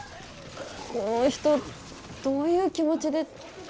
この人どういう気持ちで。